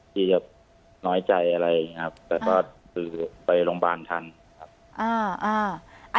ที่จะน้อยใจอะไรนะครับแต่ว่าคือไปโรงพยาบาลทันครับอ่าอ่า